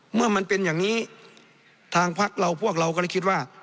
เมื่อมันเป็นอย่างนี้ทางพักเราพวกเราก็เลยคิดว่า